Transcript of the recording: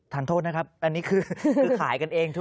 ทานโทษนะครับอันนี้คือขายกันเองทั่ว